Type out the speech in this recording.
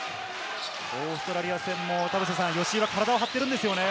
オーストラリア戦も吉井は体を張っているんですよね。